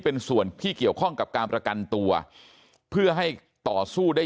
เป็นส่วนที่เกี่ยวข้องกับการประกันตัวเพื่อให้ต่อสู้ได้